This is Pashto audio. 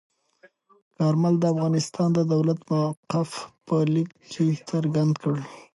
کارمل د افغانستان د دولت موقف په لیک کې څرګند کړ.